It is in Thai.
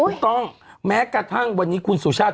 ถูกต้องแม้กระทั่งวันนี้คุณสุชาติ